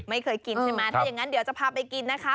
ไม่เคยกินใช่ไหมถ้าอย่างนั้นเดี๋ยวจะพาไปกินนะคะ